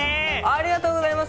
ありがとうございます。